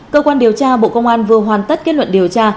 cơ quan điều tra bộ công an vừa hoàn tất kết luận điều tra